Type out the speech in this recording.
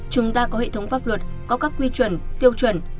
chúng ta có hệ thống pháp luật có các quy chuẩn tiêu chuẩn